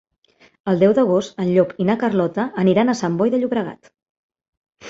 El deu d'agost en Llop i na Carlota aniran a Sant Boi de Llobregat.